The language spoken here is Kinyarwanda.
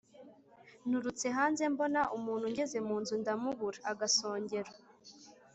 nturutse hanze mbona umuntu ngeze mu nzu ndamubura-agasongero.